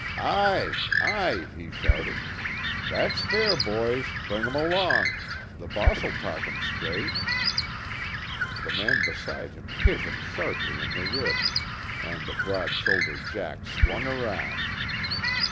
"Aye, aye," he shouted. "That's fair, boys, bring 'em along. The boss'll talk 'em straight." The man beside him hit him sharply in the ribs, and the broad shouldered "jack" swung round.